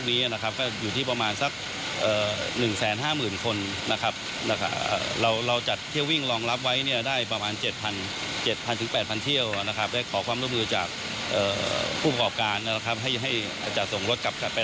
มีผู้ปกครองการให้เสริมส่งกลับไปกับชนบัตรปกติ